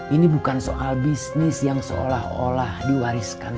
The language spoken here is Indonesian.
ini bukan soal bisnis yang seolah olah di wariskan ke akang